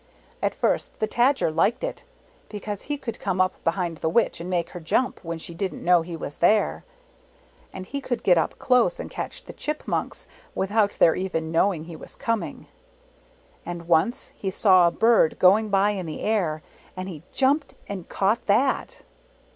At first the Tajer liked it, because he could come up behind the Witch and make her jump when she didn't know he was there. And he could get up close and catch the chipmunks, without their even knowing he was coming. And once he saw a bird going by in the air; and he jumped and caught that.